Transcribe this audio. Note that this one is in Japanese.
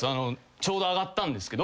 ちょうど上がったんですけど。